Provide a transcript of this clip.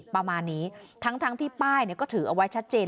ประมาณนี้ทั้งที่ป้ายก็ถือเอาไว้ชัดเจน